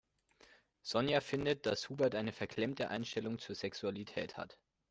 Sonja findet, dass Hubert eine verklemmte Einstellung zur Sexualität hat.